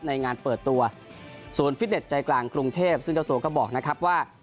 ในงานเปิดตัวส่วนฟิตเน็ตใจกลางกรุงเทพซึ่งเจ้าตัวก็บอกนะครับว่า